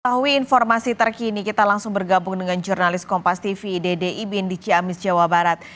mengetahui informasi terkini kita langsung bergabung dengan jurnalis kompas tv dede ibin di ciamis jawa barat